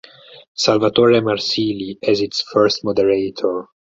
Salvatore Marsili as its first moderator.